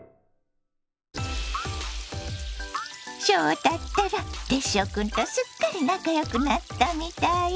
翔太ったらテッショウくんとすっかり仲よくなったみたい。